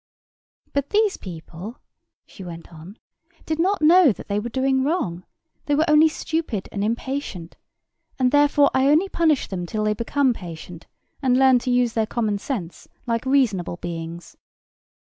"But these people," she went on, "did not know that they were doing wrong: they were only stupid and impatient; and therefore I only punish them till they become patient, and learn to use their common sense like reasonable beings.